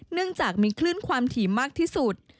เนื่องจากมีคลื่นความถี่มากที่สุด